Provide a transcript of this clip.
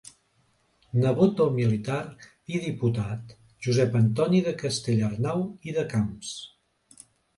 Nebot del militar i diputat Josep Antoni de Castellarnau i de Camps.